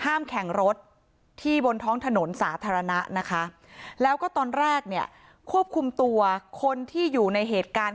แข่งรถที่บนท้องถนนสาธารณะนะคะแล้วก็ตอนแรกเนี่ยควบคุมตัวคนที่อยู่ในเหตุการณ์